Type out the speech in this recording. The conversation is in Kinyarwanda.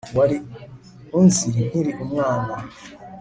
Wari unzi nkiri umwana